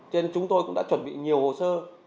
cho nên chúng tôi cũng đã chuẩn bị nhiều hồ sơ